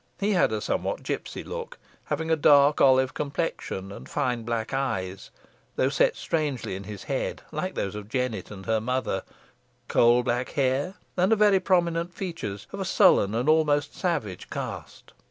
He had a somewhat gipsy look, having a dark olive complexion, and fine black eyes, though set strangely in his head, like those of Jennet and her mother, coal black hair, and very prominent features, of a sullen and almost savage cast.